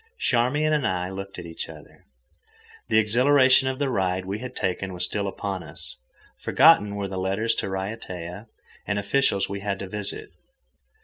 Charmian and I looked at each other. The exhilaration of the ride we had taken was still upon us. Forgotten were the letters to Raiatea, the officials we had to visit.